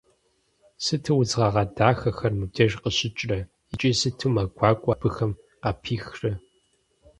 Сыту удз гъэгъа дахэхэр мыбдеж къыщыкӀрэ икӀи сыту мэ гуакӀуэ абыхэм къапихрэ!